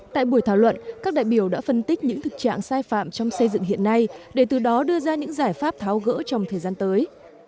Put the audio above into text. tại buổi thảo luận các đại biểu đã phân tích những thực trạng sai phạm trong xây dựng hiện nay để từ đó đưa ra những giải pháp tháo gỡ trong thời gian tới